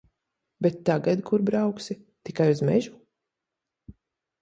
Bet tagad kur brauksi? Tikai uz mežu.